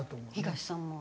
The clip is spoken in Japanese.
東さんも。